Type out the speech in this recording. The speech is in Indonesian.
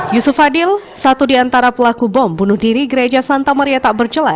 yusuf fadil satu di antara pelaku bom bunuh diri di gereja santa marieta bercela